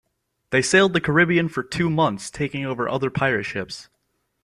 They sailed the Caribbean for two months, taking over other pirate ships.